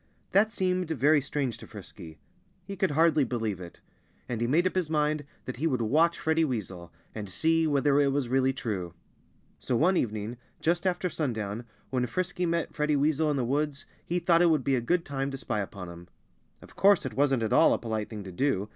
That seemed very strange to Frisky. He could hardly believe it. And he made up his mind that he would watch Freddie Weasel and see whether it was really true. So one evening, just after sundown, when Frisky met Freddie Weasel in the woods, he thought it would be a good time to spy upon him. Of course it wasn't at all a polite thing to do.